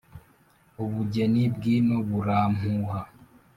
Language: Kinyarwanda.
Ubugeni bw'ino burampuha